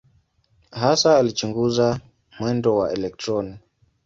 Hasa alichunguza mwendo wa elektroni.